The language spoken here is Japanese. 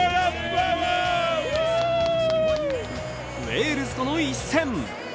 ウェールズとの一戦。